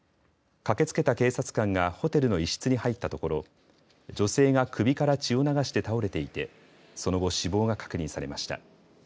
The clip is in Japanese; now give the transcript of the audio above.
駆けつけた警察官がホテルの１室に入ったところ女性が首から血を流して倒れていてその後、死亡が確認されました。